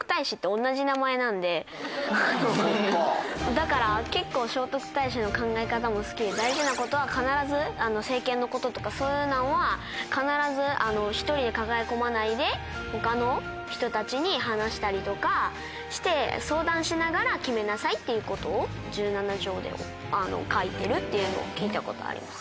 だから結構聖徳太子の考え方も好きで大事なことは必ず政権のこととかそういうのは必ず１人で抱え込まないで他の人たちに話したりとかして相談しながら決めなさいっていうことを十七条で書いてるっていうのを聞いたことがあります。